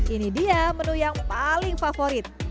ini dia menu yang paling favorit